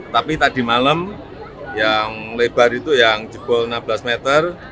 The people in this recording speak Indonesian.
tapi tadi malam yang lebar itu yang jebol enam belas meter